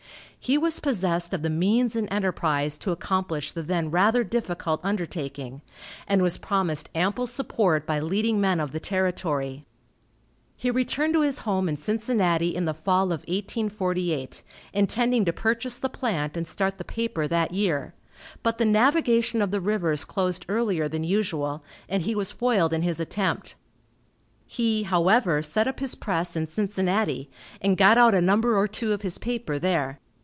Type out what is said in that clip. He was possessed of the means and enterprise to accomplish the then rather difficult undertaking, and was promised ample support by leading men of the territory. He returned to his home in Cincinnati in the fall of 1848, intending to purchase the plant and start the paper that year, but the navigation of the rivers closed earlier than usual, and he was foiled in his attempt. He, however, set up his press in Cincinnati, and got out a number or two of his paper there.